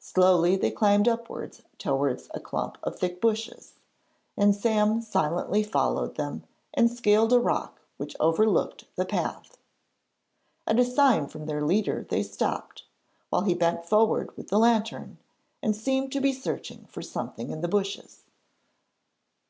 Slowly they climbed upwards towards a clump of thick bushes, and Sam silently followed them and scaled a rock which overlooked the path. At a sign from their leader they stopped, while he bent forward with the lantern, and seemed to be searching for something in the bushes.